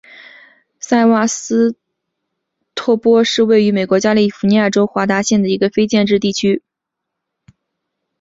塞瓦斯托波尔是位于美国加利福尼亚州内华达县的一个非建制地区。